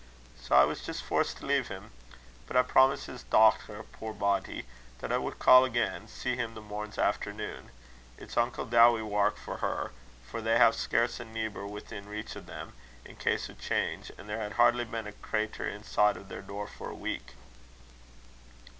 Sae I was jist forced to leave him. But I promised his dochter, puir body, that I would ca' again an' see him the morn's afternoon. It's unco dowie wark for her; for they hae scarce a neebor within reach o' them, in case o' a change; an' there had hardly been a creatur' inside o' their door for a week."